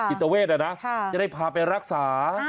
จิตเวทนะจะได้พาไปรักษา